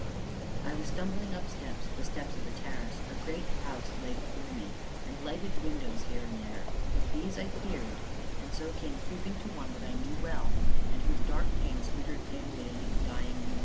I was stumbling up steps the steps of a terrace; a great house lay before me, with lighted windows here and there, but these I feared, and so came creeping to one that I knew well, and whose dark panes glittered palely under the dying moon.